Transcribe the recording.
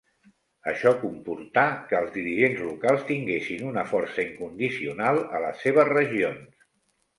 Això comportà que els dirigents locals tinguessin una força incondicional a les seves regions.